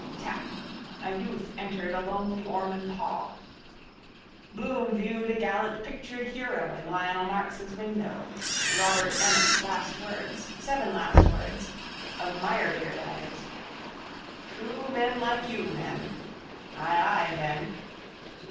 Tap. A youth entered a lonely Ormond hall. Bloom viewed a gallant pictured hero in Lionel Marks's window. Robert Emmet's last words. Seven last words. Of Meyerbeer that is. —True men like you men. —Ay, ay, Ben.